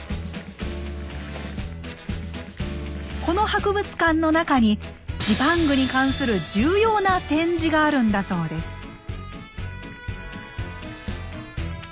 この博物館の中にジパングに関する重要な展示があるんだそうです。